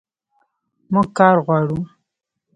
موږ کار غواړو